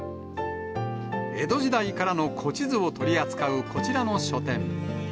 江戸時代からの古地図を取り扱うこちらの書店。